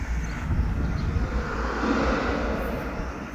这是第六次在意大利举行赛事。